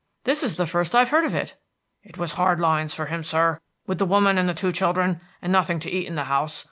"This is the first I've heard of it." "It was hard lines for him, sir, with the woman and the two children, and nothing to eat in the house.